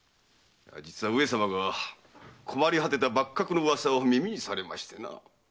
実は上様が困り果てた幕閣の噂を耳にされましてな。